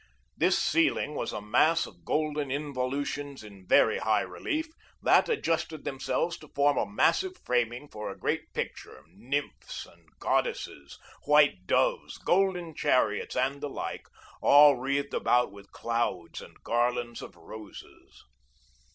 This ceiling was a maze of golden involutions in very high relief, that adjusted themselves to form a massive framing for a great picture, nymphs and goddesses, white doves, golden chariots and the like, all wreathed about with clouds and garlands of roses.